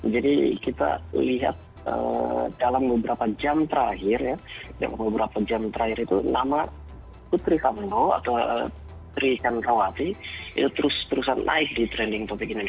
jadi kita lihat dalam beberapa jam terakhir ya dalam beberapa jam terakhir itu nama putri sambo atau putri candrawati itu terus terusan naik di trending topik indonesia